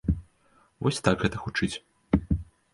Вось так гэта гучыць.